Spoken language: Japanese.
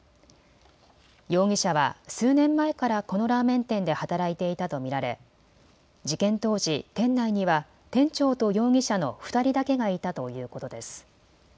容疑者は数年前からこのラーメン店で働いていたと見られ事件当時、店内には店長と容疑者の２人だけがいたということです。